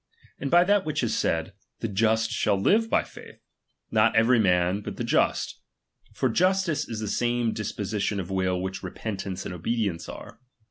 And by that which is said : Tlte just shall live by faith ; not every man, but the just ; for justice is the same disposition of will which repentance and obedience are.